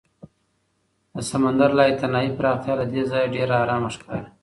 د سمندر لایتناهي پراختیا له دې ځایه ډېره ارامه ښکاري.